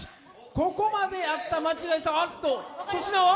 ここまでやった間違いあっと、粗品は？